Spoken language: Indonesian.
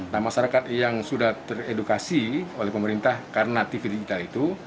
nah masyarakat yang sudah teredukasi oleh pemerintah karena tv digital itu